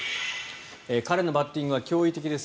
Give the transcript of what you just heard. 彼のバッティングは驚異的です。